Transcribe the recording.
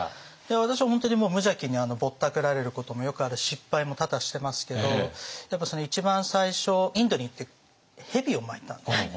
私は本当に無邪気にぼったくられることもよくあるし失敗も多々してますけどやっぱ一番最初インドに行って蛇を巻いたんですね。